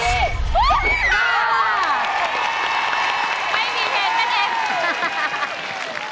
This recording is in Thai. ไม่มีเหตุกันเอง